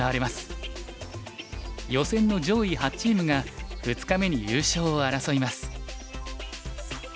予選の上位８チームが２日目に優勝を争います。